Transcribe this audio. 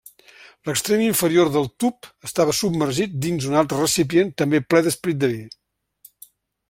L'extrem inferior del tub estava submergit dins un altre recipient també ple d'esperit de vi.